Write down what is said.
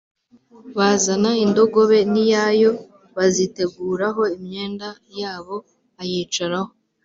bazana indogobe n’iyayo baziteguraho imyenda yabo, ayicaraho.